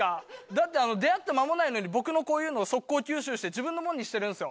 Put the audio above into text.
だって出会って間もないのに僕のこういうのを即行吸収して自分のものにしてるんすよ